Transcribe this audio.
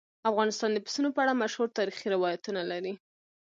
افغانستان د پسونو په اړه مشهور تاریخي روایتونه لري.